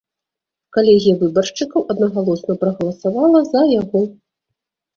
Калегія выбаршчыкаў аднагалосна прагаласавала за яго.